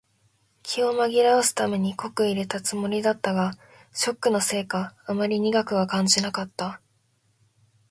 気を紛らわすために濃く淹れたつもりだったが、ショックのせいかあまり苦くは感じなかった。